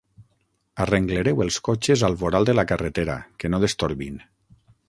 Arrenglereu els cotxes al voral de la carretera, que no destorbin.